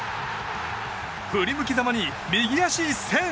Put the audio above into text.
振り向きざまに右足一閃！